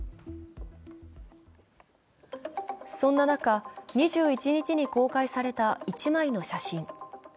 そんな中、２１日に公開された１枚の写真。